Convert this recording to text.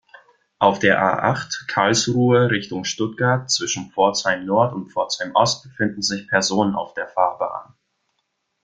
Auf der A-acht, Karlsruhe Richtung Stuttgart, zwischen Pforzheim-Nord und Pforzheim-Ost befinden sich Personen auf der Fahrbahn.